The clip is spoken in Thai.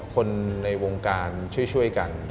คนในวงการช่วยกัน